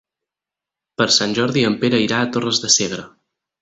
Per Sant Jordi en Pere irà a Torres de Segre.